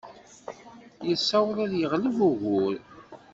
Yessaweḍ ad yeɣleb ugur.